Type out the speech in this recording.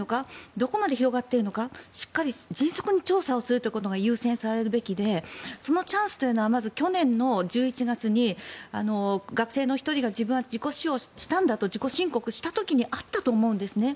どこまで広がっているのかしっかり迅速に調査をすることが優先されるべきでそのチャンスはまず去年１１月に学生の１人が自分は自己申告したんだと自己申告した時にあったと思うんですね。